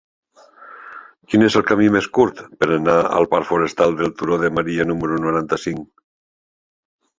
Quin és el camí més curt per anar al parc Forestal del Turó de Maria número noranta-cinc?